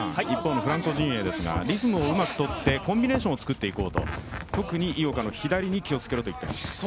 フランコ陣営ですがリズムをうまくとってコンビネーションを作っていこうと特に井岡の左に気をつけろと言っています。